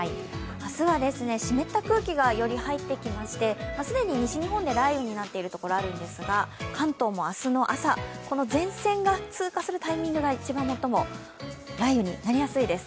明日は湿った空気が、より入ってきまして、既に西日本で雷雨になっているところ、あるんですが、関東も明日の朝、この前線が通過するタイミングが一番最も雷雨になりやすいです。